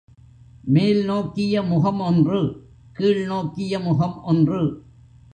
மேல் நோக்கிய முகம் ஒன்று, கீழ் நோக்கிய முகம் ஒன்று.